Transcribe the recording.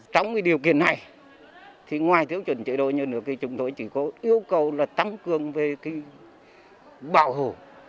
trong điều kiện này thì ngoài thiếu chuẩn chế đội nhân lực thì chúng tôi chỉ có yêu cầu là tăng cường về bảo hồ